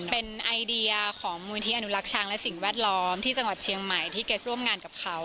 เป็นไอเดียของมูลที่อนุรักษ์ช้างและสิ่งแวดล้อมที่จังหวัดเชียงใหม่ที่เกสร่วมงานกับเขา